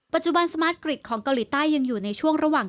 ปัจจุบันสมาร์ทกริตของเกาหลีใต้ยังอยู่ในช่วงระหว่าง